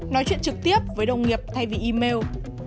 nói chuyện trực tiếp với đồng nghiệp thay vì email